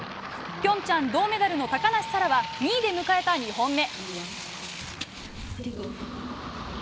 平昌銅メダルの高梨沙羅は２位で迎えた２本目。